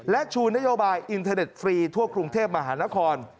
และชูนโยบายอินเทอร์เน็ตฟรีทั่วกรุงเทพมหานคร